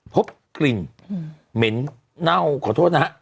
พบกลิ่นเหม็นเน่าขอโทษนะฮะ